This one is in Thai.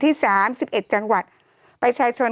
โทษทีน้องโทษทีน้อง